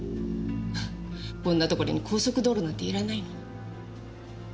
こんなところに高速道路なんていらないのに。